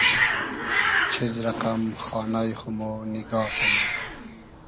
چیز رئقئم خانای خو مۉ نیگا کئنی